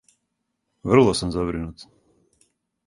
Врло сам забринут.